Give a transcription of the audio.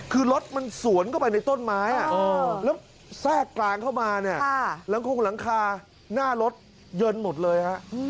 คือรถมันสวนเข้าไปในต้นไม้แล้วแทรกกลางเข้ามาเนี่ยหลังคงหลังคาหน้ารถเยินหมดเลยฮะ